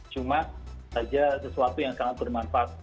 cuma saja sesuatu yang sangat bermanfaat